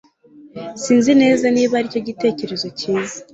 sinzi neza niba aricyo gitekerezo cyiza